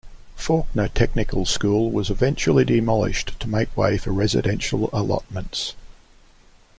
Fawkner Technical School was eventually demolished to make way for residential allotments.